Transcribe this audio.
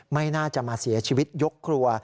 ไม่น่าจะมาเสียชีวิตยกครัว